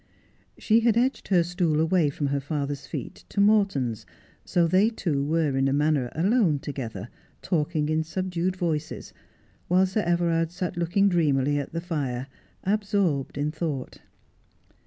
She had edged her stool away from her father's feet to Morton's, so they two were in a manner alone together, talking in subdued voices, while Sir Everard sat looking dreamily at the fire, absorbed in thought.